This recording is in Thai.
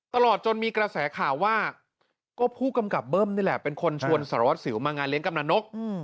ตลอดจนมีกระแสข่าวว่าก็ผู้กำกับเบิ้มนี่แหละเป็นคนชวนสารวัสสิวมางานเลี้ยกำลังนก